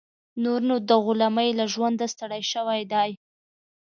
نور نو د غلامۍ له ژونده ستړی شوی دی.